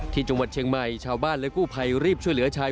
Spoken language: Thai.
ที่จังหวัดเชียงใหม่ชาวบ้านและกู้ภัยรีบช่วยเหลือชาย